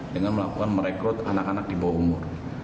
dengan melakukan merekrut anak anak di bawah umur